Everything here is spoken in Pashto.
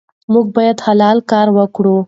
موږ باید حلال کار وکړو.